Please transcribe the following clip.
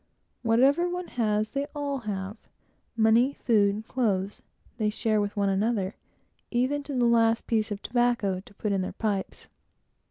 Whatever one has, they all have. Money, food, clothes, they share with one another; even to the last piece of tobacco to put in their pipes.